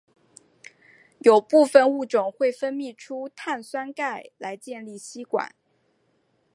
有部分物种会分泌出碳酸钙来建立栖管。